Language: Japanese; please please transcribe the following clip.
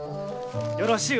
よろしゅう